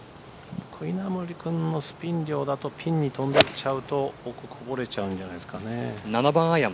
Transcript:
稲森君のスピン量だとピンに飛んでっちゃうと奥、こぼれちゃうんじゃないですかね。